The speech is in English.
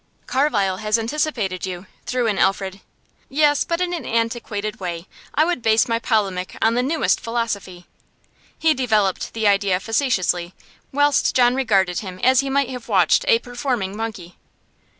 'Carlyle has anticipated you,' threw in Alfred. 'Yes, but in an antiquated way. I would base my polemic on the newest philosophy.' He developed the idea facetiously, whilst John regarded him as he might have watched a performing monkey.